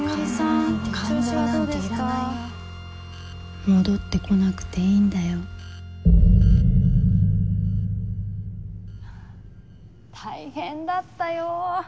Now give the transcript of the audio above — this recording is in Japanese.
紫織さ戻ってこなくていいんだよ大変だったよ。